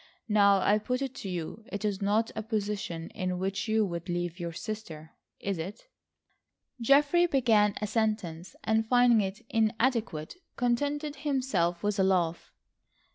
Now, I put it to you: it is not a position in which you would leave your sister, is it?" Geoffrey began a sentence and finding it inadequate, contented himself with a laugh.